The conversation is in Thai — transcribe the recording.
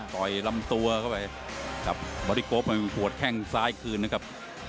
ต่อยลำตัวเข้าไปครับบอริโกมันหัวแข้งซ้ายคืนนะครับ